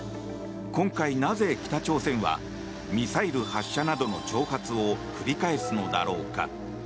今回なぜ北朝鮮はミサイル発射などの挑発を繰り返すのだろうか。